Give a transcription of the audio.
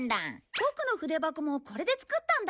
ボクの筆箱もこれで作ったんだ！